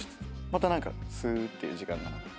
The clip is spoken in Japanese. また何かすーっていう時間が流れて。